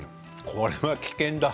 これは危険だ。